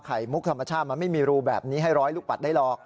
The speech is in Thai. มุกธรรมชาติมันไม่มีรูแบบนี้ให้ร้อยลูกปัดได้หรอก